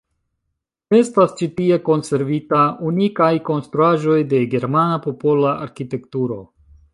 Estas ĉi tie konservita unikaj konstruaĵoj de germana popola arkitekturo.